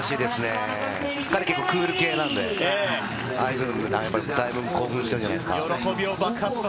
彼、結構クール系なんで、だいぶ興奮しているんじゃないですか？